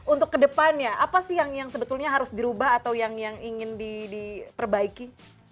untuk kedepannya apa sih yang sebetulnya harus dirubah atau yang ingin diperbaiki